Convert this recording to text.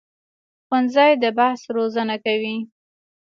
ښوونځی د بحث روزنه کوي